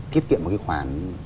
tiết kiệm một cái khoản